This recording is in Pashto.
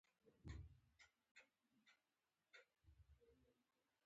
هېڅ شی له لاسه نه ورکوي دا حقیقت دی.